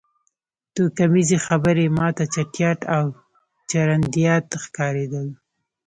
توکمیزې خبرې ما ته چټیات او چرندیات ښکارېدل